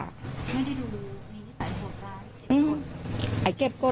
ไม่ได้ดูมีนิสัยหวดร้ายเก็บโกด